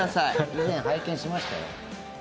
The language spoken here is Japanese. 以前、拝見しましたよ。